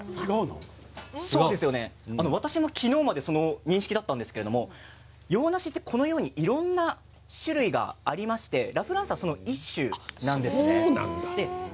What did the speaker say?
私も昨日までその認識だったんですけれど洋ナシはいろんな種類がありましてラ・フランスはその一種なんです。